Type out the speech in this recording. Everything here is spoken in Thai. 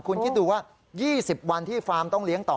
คุณคิดดูว่า๒๐วันที่ฟาร์มต้องเลี้ยงต่อ